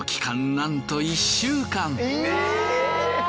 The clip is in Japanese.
なんと１週間。